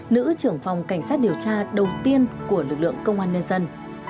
nữ trưởng phòng cảnh sát điều tra đầu tiên của lực lượng công an nhân dân